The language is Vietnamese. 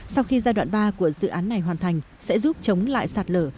sau khi giai đoạn ba của dự án này hoàn thành sẽ giúp chống lại sạt lở